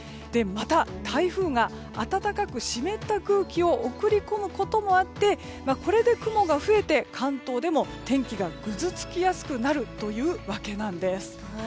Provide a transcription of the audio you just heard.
また、台風が暖かく湿った空気を送り込むこともあって雲が増えて関東でも天気がぐずつきやすくなるというわけなんです。